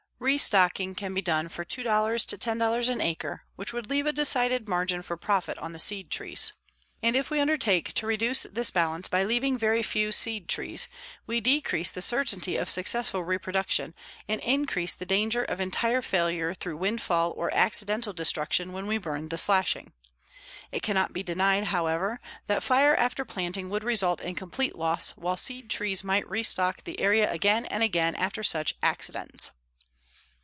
Restocking can be done for $2 to $10 an acre, which would leave a decided margin for profit on the seed trees. And if we undertake to reduce this balance by leaving very few seed trees, we decrease the certainty of successful reproduction and increase the danger of entire failure through windfall or accidental destruction when we burn the slashing. It cannot be denied, however, that fire after planting would result in complete loss, while seed trees might restock the area again and again after such accidents.